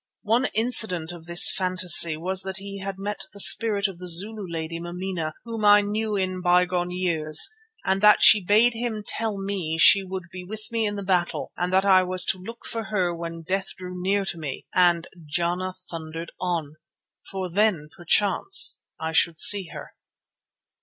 One incident of this phantasy was that he had met the spirit of the Zulu lady Mameena, whom I knew in bygone years, and that she bade him tell me she would be with me in the battle and that I was to look for her when death drew near to me and "Jana thundered on," for then perchance I should see her.